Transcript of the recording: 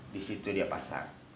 di situ dia pasang